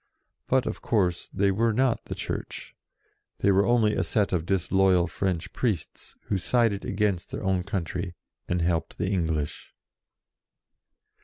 But, of course, they were not the Church; they were only a set of disloyal French priests who sided against their own country, and helped the English.